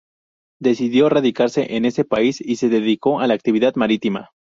Decidió radicarse en ese país y se dedicó a la actividad marítima.